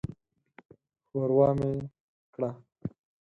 ښوروا مې کړه.